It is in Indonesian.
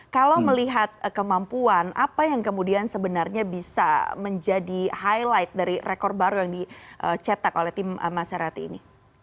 kalau melihat kemampuan apa yang kemudian sebenarnya bisa menjadi highlight dari rekor baru yang dicetak oleh tim masyarakat ini